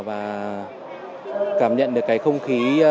và cảm nhận được cái không khí